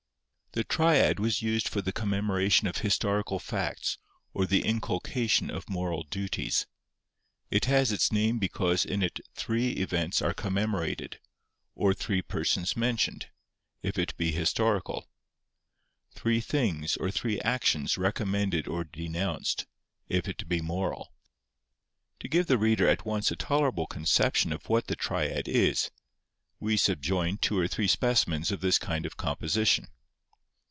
The Triad was used for the commemoration of historical facts or the inculcation of moral duties. It has its name because in it three events are commemorated, or three persons mentioned, if it be historical; three things or three actions recommended or denounced, if it be moral. To give the reader at once a tolerable conception of what the Triad is, we subjoin two or three specimens of this kind of composition.